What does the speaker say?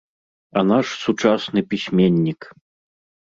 А наш сучасны пісьменнік!